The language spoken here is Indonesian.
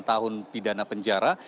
delapan tahun pidana penjara